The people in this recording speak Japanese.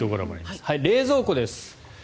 冷蔵庫です。